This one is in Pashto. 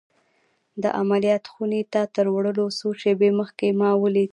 د عملیات خونې ته تر وړلو څو شېبې مخکې ما ولید